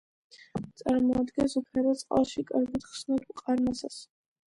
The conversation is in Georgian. წარმოადგენს უფერო, წყალში კარგად ხსნად მყარ მასას.